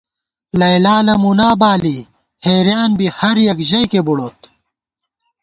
لیلی نہ مُونا بالی حېریان بی ہر یَک ژَئیکےبُڑوت